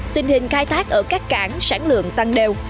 tình hình khai thác ở các cảng sản lượng tăng đều